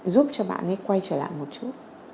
giúp cho bạn ấy quay trở lại một chút